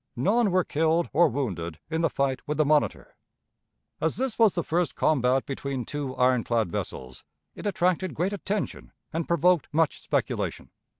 None were killed or wounded in the fight with the Monitor. As this was the first combat between two iron clad vessels, it attracted great attention and provoked much speculation.